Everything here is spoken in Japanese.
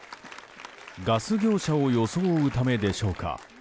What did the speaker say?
ガス業者を装うためでしょうか。